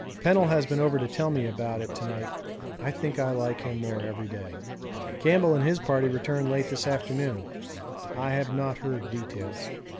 Pennell has been over to tell me all about it to night; I think I like him more every day. Campbell and his party returned late this afternoon I have not heard details.